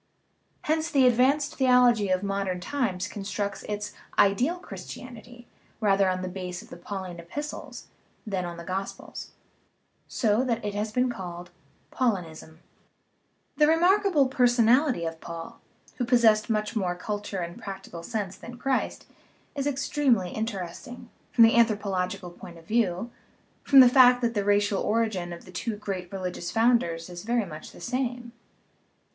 Hence the advanced theology of modern times constructs its "ideal Christianity" rather on the base of the Pauline epistles than on the gospels, so that it has been called "Paulinism." The remarkable personality of Paul, who possessed much more culture and practical sense than Christ, is extremely interesting, from the anthropological point of view, from the fact that the racial origin of the two great religious founders is very much the same.